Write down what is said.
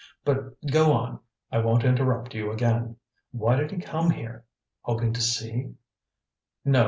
But go on; I won't interrupt you again. Why did he come here? Hoping to see " "No.